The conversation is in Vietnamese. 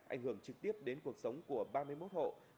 ảnh hưởng trực tiếp đến cuộc sống của ba mươi một hộ